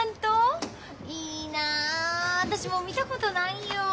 いいな私も見たことないよ。